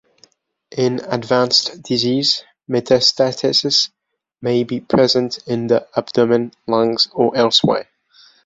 In advanced disease, metastases may be present in the abdomen, lungs, or elsewhere.